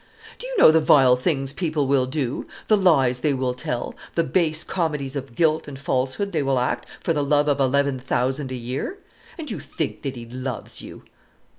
Do you know the vile things people will do, the lies they will tell, the base comedies of guilt and falsehood they will act, for the love of eleven thousand a year? And you think that he loves you!